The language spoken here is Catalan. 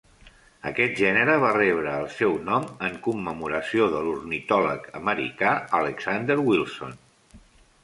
Aquest gènere va rebre el seu nom en commemoració de l'ornitòleg americà Alexander Wilson.